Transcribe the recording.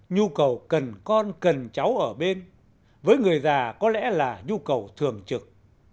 nhu cầu cần con cần cháu ở bên với người già có lẽ là nhu cầu thường trực